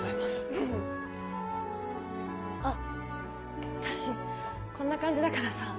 ふふっあっ私こんな感じだからさ